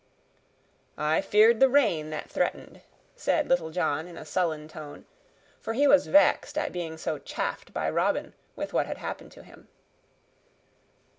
"I feared the rain that threatened," said Little John in a sullen tone, for he was vexed at being so chaffed by Robin with what had happened to him.